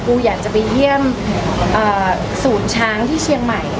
อยากจะไปเยี่ยมศูนย์ช้างที่เชียงใหม่